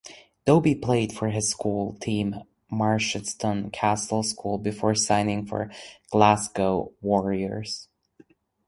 Dobie played for his school team Merchiston Castle School before signing for Glasgow Warriors.